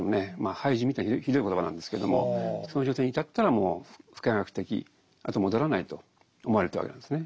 廃人みたいにひどい言葉なんですけれどもその状態に至ったらもう不可逆的あとは戻らないと思われてたわけなんですね。